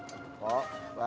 tapi telurnya abis jak